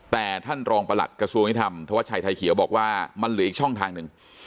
แต่ท่านรองประหลัดกระทรวงยุทธรรมธวัชชัยไทยเขียวบอกว่ามันเหลืออีกช่องทางหนึ่ง